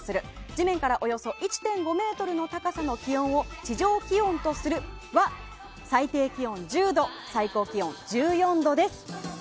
地面からおよそ１．５ｍの高さの気温を地上気温とするは最低気温１０度最高気温１４度です。